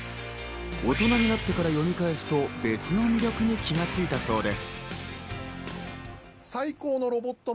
大人になってから読み返すと別の魅力に気が付いたそうです。